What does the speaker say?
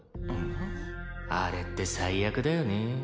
「あれって最悪だよね」